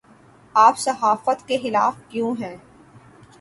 آپ صحافت کے خلاف کیوں ہیں